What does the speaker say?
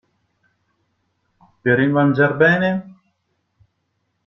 Per il mangiar bene?